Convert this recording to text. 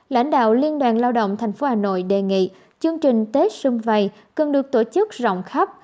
lãnh đạo liên đoàn lao động tp hà nội đề nghị chương trình tết xung vầy cần được tổ chức rộng khắp